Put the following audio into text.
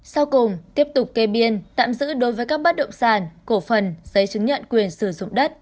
sau cùng tiếp tục kê biên tạm giữ đối với các bất động sản cổ phần giấy chứng nhận quyền sử dụng đất